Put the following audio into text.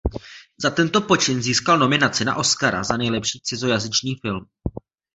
Za tento počin získal nominaci na Oscara za nejlepší cizojazyčný film.